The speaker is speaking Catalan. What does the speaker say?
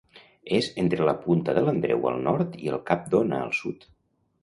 És entre la Punta de l'Andreu, al nord, i el Cap d'Ona, al sud.